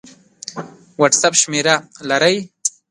وټس اپ شمېره لرئ؟